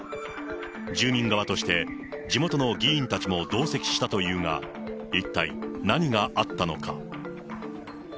住民側として、地元の議員たちも同席したというが、一体何があったのか。